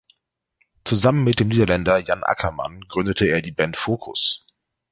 Zusammen mit dem Niederländer Jan Akkerman gründete er die Band Focus.